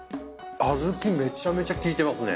アズキめちゃめちゃ利いてますね。